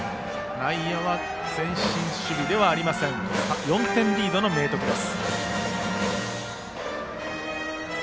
内野は前進守備ではありません４点リードの明徳です。